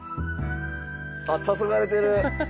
あったそがれてる。